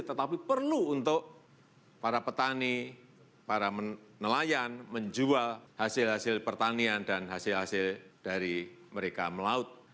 tetapi perlu untuk para petani para nelayan menjual hasil hasil pertanian dan hasil hasil dari mereka melaut